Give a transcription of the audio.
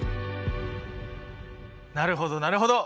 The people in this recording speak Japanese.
なるほどなるほど！